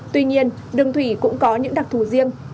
tuy nhiên đường thủy cũng có những đặc thù riêng